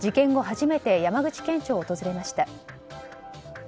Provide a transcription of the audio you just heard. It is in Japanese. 初めて山口県庁を訪れました。